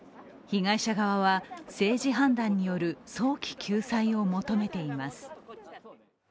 被害者側は政治判断による早期救済を求めています。